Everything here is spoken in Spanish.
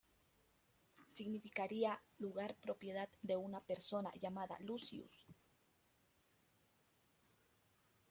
Significaría ‘lugar propiedad de una persona llamada "Lucius"’.